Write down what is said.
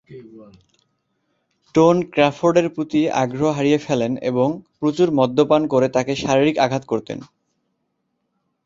Tone ক্রফোর্ডের প্রতি আগ্রহ হারিয়ে ফেলেন এবং প্রচুর মদ্যপান করে তাকে শারীরিক আঘাত করতেন।